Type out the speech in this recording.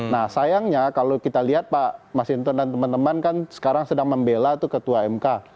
nah sayangnya kalau kita lihat pak mas hinton dan teman teman kan sekarang sedang membela tuh ketua mk